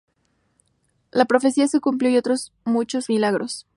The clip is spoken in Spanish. La profecía se cumplió y otros muchos milagros.